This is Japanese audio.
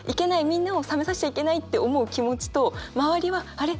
みんなを冷めさせちゃいけないって思う気持ちと周りはあれ？